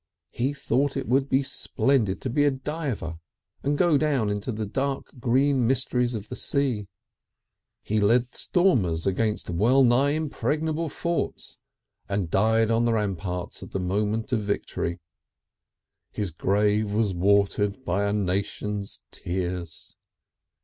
He thought it would be splendid to be a diver and go down into the dark green mysteries of the sea. He led stormers against well nigh impregnable forts, and died on the ramparts at the moment of victory. (His grave was watered by a nation's tears.)